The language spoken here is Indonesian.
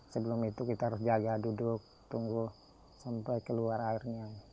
sebelum itu kita harus jaga duduk tunggu sampai keluar airnya